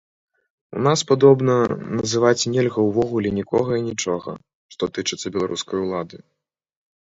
У нас, падобна, называць нельга ўвогуле нікога і нічога, што тычыцца беларускай улады.